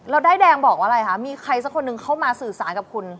แล้วด้ายแดงบอกว่าอะไรคะมีใครสักคนหนึ่งเข้ามาสื่อสารกับคุณ